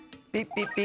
ピピ。